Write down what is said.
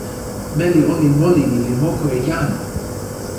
meli olin moli mi li moku e jan!